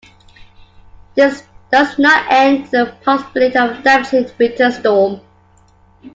This does not end the possibility of a damaging winter storm.